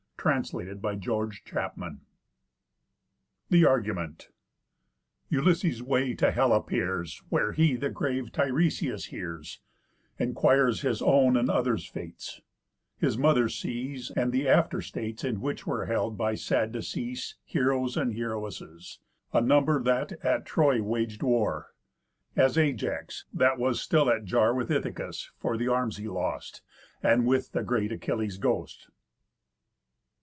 _ THE ELEVENTH BOOK OF HOMER'S ODYSSEYS THE ARGUMENT Ulysees' way to Hell appears; Where he the grave Tiresias hears; Enquires his own and others' fates; His mother sees, and th' after states In which were held by sad decease Heroës, and Heroesses, A number, that at Troy wag'd war; As Ajax that was still at jar With Ithacus, for th' arms he lost; And with the great Achilles' ghost.